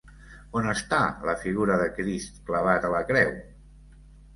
On està la figura de Crist clavat a la creu?